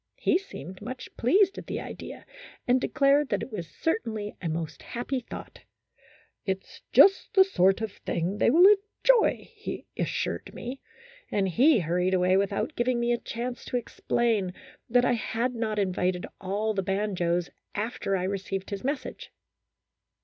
He seemed much pleased at the idea, and declared that it was certainly a most "happy thought;" it's just the sort of thing they will enjoy, he assured me ; and he hurried away without giving me a chance to ex plain that I had not invited all the banjos after I received his message.